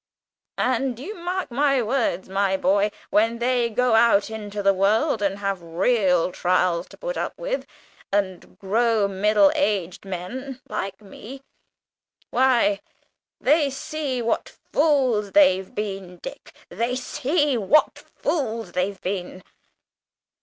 And you mark my words, my boy, when they go out into the world and have real trials to put up with, and grow middle aged men, like me, why, they see what fools they've been, Dick; they see what fools they've been.